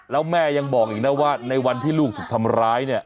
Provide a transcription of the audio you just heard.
แล้วแม่ยังบอกอีกนะว่าในวันที่ลูกถูกทำร้ายเนี่ย